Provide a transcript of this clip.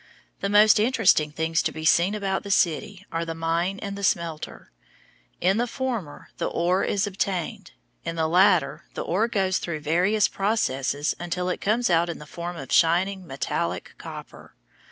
The most interesting things to be seen about the city are the mine and the smelter. In the former the ore is obtained; in the latter the ore goes through various processes until it comes out in the form of shining, metallic copper.